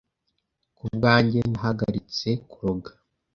kubwanjye nahagaritse kuroga